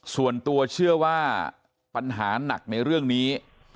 ส่วนตัวเชื่อว่าปัญหาหนักในเรื่องนี้